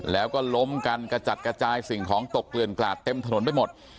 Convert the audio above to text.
แล้วก็ล้มกันกระจัดกระจายสิ่งของตกเกลือนกลาดเต็มถนนไปหมด